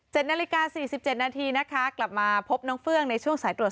เจ็ดนั่นรีการ์๔๗นาทีนะคะกลับมาพบน้องเฟื้องในช่วงสายตรวจ